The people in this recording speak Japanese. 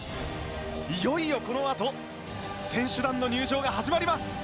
いよいよ選手団の入場が始まります。